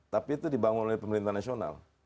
tapi itu dibangun oleh pemerintah nasional